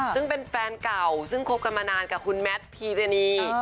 ซึ่งเป็นแฟนเก่าซึ่งคบกันมานานกับคุณแมทพีรณี